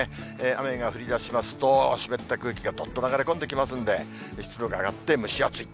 雨が降りだしますと、湿った空気がどっと流れ込んできますので、湿度が上がって蒸し暑い。